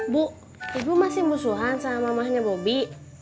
bu ibu masih musuhan sama mamahnya bobi